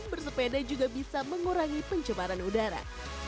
bersepeda juga bisa mengurangi pencemaran udara